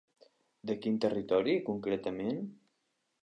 De quin territori, concretament?